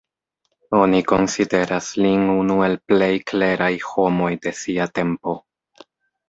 Oni konsideras lin unu el plej kleraj homoj de sia tempo.